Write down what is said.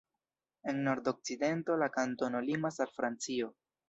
En nordokcidento la kantono limas al Francio.